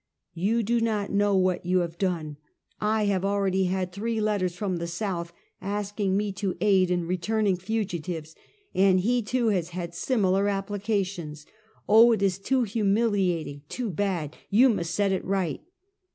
You do not know what you have done! I have already had three letters from the South, asking me to aid in returning fugi tives, and he, too, has had similar applications. Oh it is too humiliating, too bad. You must set it right!"